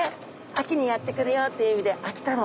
秋にやって来るよという意味で秋太郎。